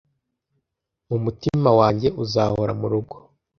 mumutima wanjye uzahora murugo